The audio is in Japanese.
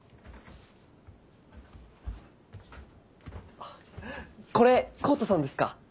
あっこれ康太さんですか？